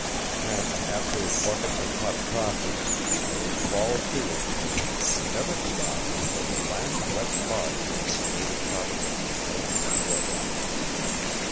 Then, after buckets of hot coffee, they would fall to again and never stop until the last wet body had been laid atop of its thousands of brothers.